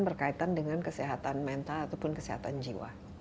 berkaitan dengan kesehatan mental ataupun kesehatan jiwa